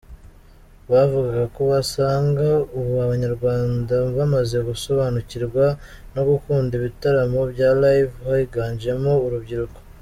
Bavuga ko basanga ubu Abanyarwanda bamaze gusobanukirwa no gukunda ibitaramo bya Live; higanjemo urubyiruko.